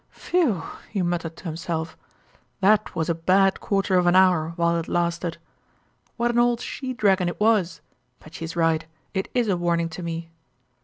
"Phew!" he muttered to himself, "that was a bad quarter of an hour while it lasted ! What an old she dragon it was! But she's right it is a warning to me.